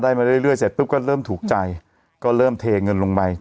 มาเรื่อยเสร็จปุ๊บก็เริ่มถูกใจก็เริ่มเทเงินลงไป